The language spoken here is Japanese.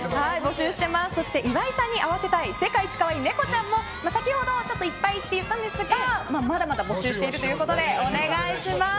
そして、岩井さんに会わせたい世界一可愛いネコちゃんも先ほどいっぱいと言ったんですがまだまだ募集しているということでお願いします。